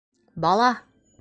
Бала!